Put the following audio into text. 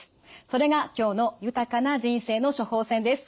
それが今日の「豊かな人生の処方せん」です。